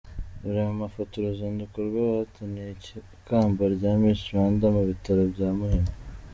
Dore mu mafoto uruzinduko rw’abahataniye ikamba rya Miss Rwanda mu bitaro bya Muhima :.